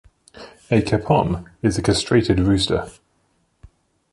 A capon is a castrated rooster.